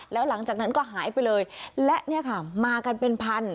แล้วหลังจากนั้นก็หายไปเลยและเนี่ยค่ะมากันเป็นพัน